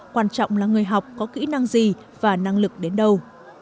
quan trọng là người học có kỹ năng gì và năng lực đến đâu